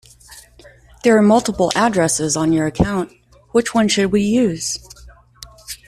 There are multiple addresses on your account, which one should we use?